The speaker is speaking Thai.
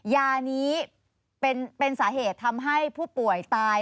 ยานี้เป็นสาเหตุทำให้ผู้ป่วยตาย